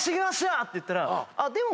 って言ったら。